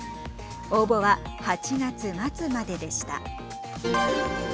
応募は８月末まででした。